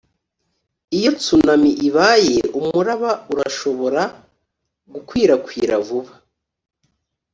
iyo tsunami ibaye, umuraba urashobora gukwirakwira vuba.